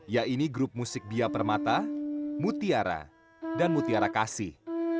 yaitu grup musik bia permata mutiara dan mutiara kasih